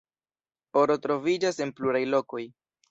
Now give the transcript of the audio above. Oro troviĝas en pluraj lokoj.